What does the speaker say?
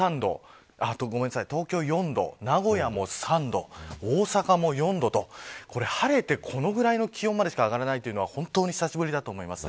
東京は４度名古屋も３度大阪も４度と晴れて、このぐらいの気温までしか上がらないというのは本当に久しぶりだと思います。